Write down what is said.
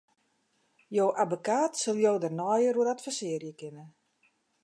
Jo abbekaat sil jo dêr neier oer advisearje kinne.